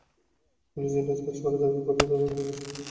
Police দিনরাত কাজ করছে দাবি করলেও তদন্তে দৃশ্যমান কোনো অগ্রগতি নেই।